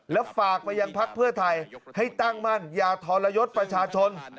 แล้วฝากไปยังพักเพื่อไทยให้ตั้งมั่นอย่าทรยศประชาชน